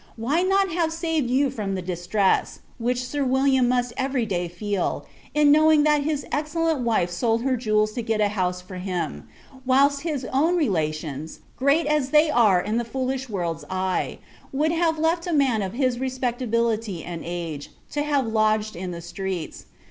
why not have saved you from the distress, which Sir William must every day feel, in knowing that his excellent wife sold her jewels to get a house for him; whilst his own relations, great as they are in the foolish world's eye, would have left a man of his respectability and age, to have lodged in the streets.